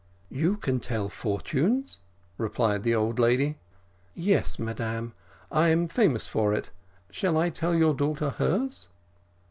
"You can tell fortunes!" replied the old lady. "Yes, madam, I am famous for it shall I tell your daughter hers?"